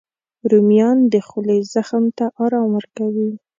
رومیان د خولې زخم ته ارام ورکوي